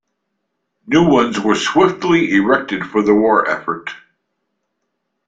New ones were swiftly erected for the war effort.